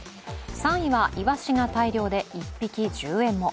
３位はイワシが大量で１匹１０円も。